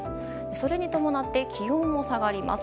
それに伴って気温も下がります。